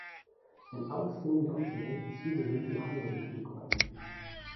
An outstanding doctorate is usually the hiring requirement.